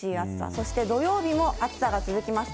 そして土曜日も暑さが続きます。